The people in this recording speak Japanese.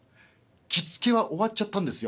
着付けは終わっちゃったんですよ。